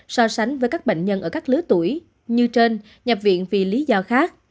so sánh với các bệnh nhân ở các lứa tuổi như trên nhập viện vì lý do khác